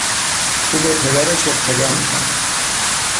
او به پدرش اقتدا میکند.